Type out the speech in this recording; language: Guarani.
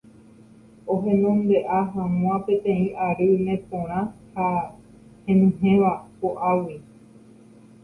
ohenonde'a hag̃ua peteĩ ary neporã ha henyhẽva po'águi